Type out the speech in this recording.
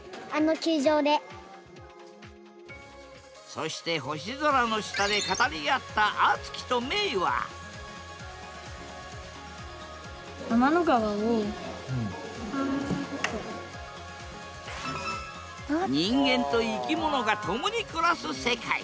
そして星空の下で語り合った人間と生き物が共に暮らす世界。